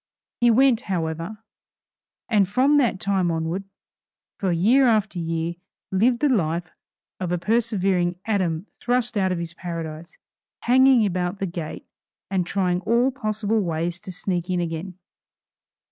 He went however, and from that time onward, for year after year, lived the life of a persevering Adam thrust out of his paradise, hanging about the gate and trying all possible ways to sneak in again.